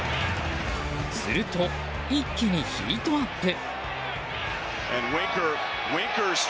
すると一気にヒートアップ。